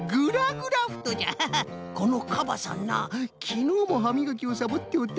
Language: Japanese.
このカバさんなきのうもはみがきをサボっておった。